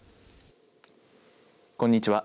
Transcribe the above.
こんにちは。